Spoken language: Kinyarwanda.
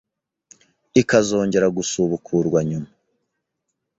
ikazongera gusubukurwa nyuma